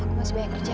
aku masih banyak kerja